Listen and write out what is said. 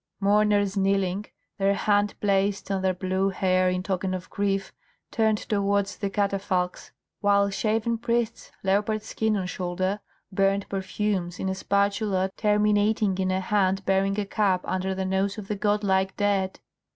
Mourners kneeling, their hand placed on their blue hair in token of grief, turned towards the catafalques, while shaven priests, leopard skin on shoulder, burned perfumes in a spatula terminating in a hand bearing a cup under the nose of the godlike dead.